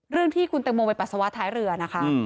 เรื่องที่คุณแตงโมไปปัสสาวะท้ายเรือนะคะ